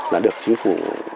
là được chính phủ